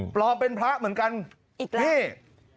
ปลอมเป็นพระเหมือนกันอีกแล้วนี่